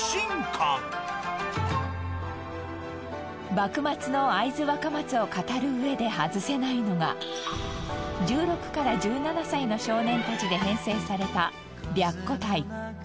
幕末の会津若松を語るうえで外せないのが１６から１７歳の少年たちで編成された白虎隊。